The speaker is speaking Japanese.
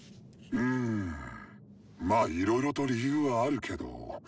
んまあいろいろと理由はあるけど。